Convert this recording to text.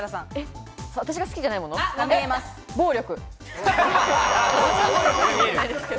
私が好きじゃないもの、暴力。